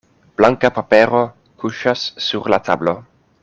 Blanka papero kuŝas sur la tablo.